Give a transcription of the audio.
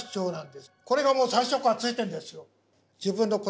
これがもう最初からついてんですよ。